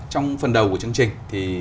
trong phần đầu của chương trình